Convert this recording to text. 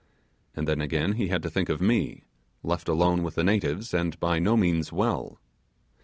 And then again he had to think of me, left alone with the natives, and by no means well.